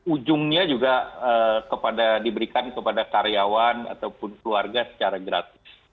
ujungnya juga diberikan kepada karyawan ataupun keluarga secara gratis